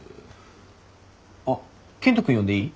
あっ健人君呼んでいい？